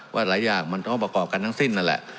หลายอย่างมันต้องประกอบกันทั้งสิ้นนั่นแหละ